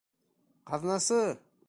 Ҡаҙнасы!